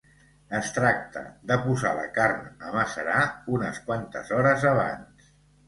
Es tracta de posar la carn a macerar unes quantes hores abans.